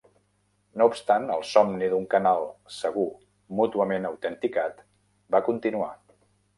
No obstant, el somni d'un canal segur mútuament autenticat va continuar.